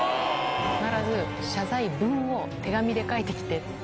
必ず謝罪文を手紙で書いてきてって。